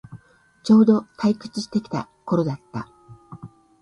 ちょうど退屈してきた頃だった